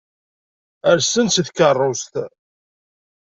Rsen-d seg tkeṛṛust.